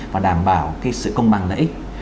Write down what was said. và đảm bảo cái sự công bằng lợi ích